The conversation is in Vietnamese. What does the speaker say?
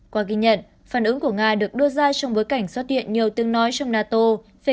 qua ghi nhận phản ứng của nga được đưa ra trong bối cảnh xuất hiện nhiều tiếng nói trong nato về